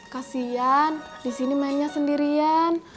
kasian di sini mainnya sendirian